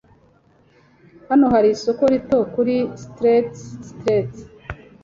Hano hari isoko rito kuri Street Street .